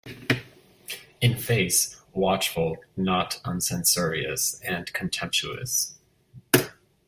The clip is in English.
In face: watchful, not uncensorious, and contemptuous.